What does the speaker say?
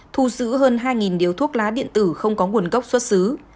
thu giữ hơn hai điếu thuốc lá điện tử không có nguồn gốc xuất xứ